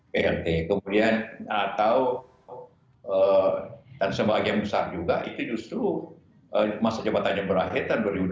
plt kemudian atau dan sebagian besar juga itu justru masa jabatannya berakhir tahun dua ribu dua puluh